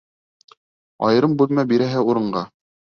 Айырым бүлмә бирәһе урынға...